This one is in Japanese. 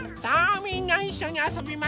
みんないっしょにあそびますよ。